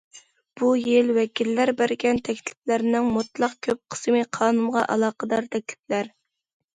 بۇ يىل، ۋەكىللەر بەرگەن تەكلىپلەرنىڭ مۇتلەق كۆپ قىسمى قانۇنغا ئالاقىدار تەكلىپلەر.